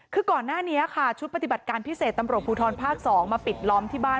คือก่อนหน้านี้ค่ะชุดปฏิบัติการพิเศษตำรวจภูทรภาค๒มาปิดล้อมที่บ้าน